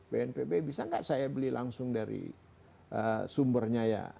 bnpb bisa nggak saya beli langsung dari sumbernya ya